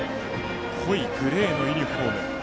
濃いグレーのユニフォーム。